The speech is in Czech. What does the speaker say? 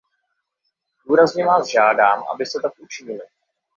Důrazně vás žádám, abyste tak učinili.